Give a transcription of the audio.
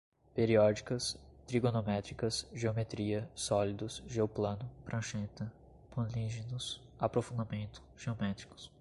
periódicas, trigonométricas, geometria, sólidos, geoplano, prancheta, políginos, aprofundamento, geométricos